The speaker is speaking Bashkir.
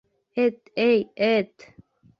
Эт, эй, эт!